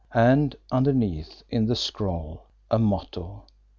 And underneath, in the scroll a motto.